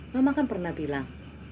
mama kan pernah bilang